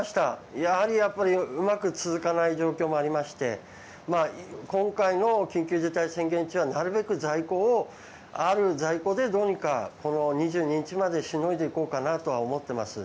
やはりうまく続かない状況もありまして今回の緊急事態宣言中はなるべく在庫をある在庫でどうにか、２２日までしのいでいこうかなと思っています。